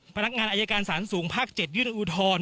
พนักงานอัยการศาลสูงภาค๗ยื่นอูทร